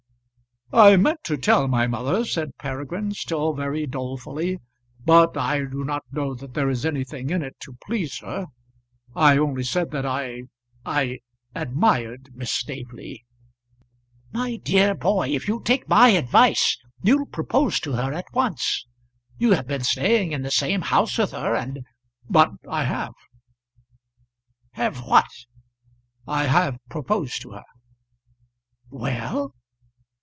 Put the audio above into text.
"I meant to tell my mother," said Peregrine, still very dolefully, "but I do not know that there is anything in it to please her. I only said that I I admired Miss Staveley." "My dear boy, if you'll take my advice you'll propose to her at once. You have been staying in the same house with her, and " "But I have." "Have what?" "I have proposed to her." "Well?"